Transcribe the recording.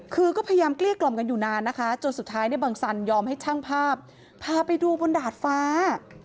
คือก็พยายามเกลี้ยกล่อมกันอยู่นานนะคะจนสุดท้ายในบังสันยอมให้ช่างภาพพาไปดูบนดาดฟ้า